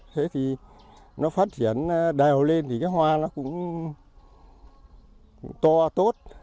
thế thì nó phát triển đều lên thì cái hoa nó cũng to tốt